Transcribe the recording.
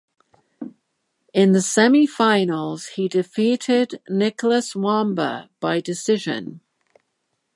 In the semifinals he defeated Nicolas Wamba by decision.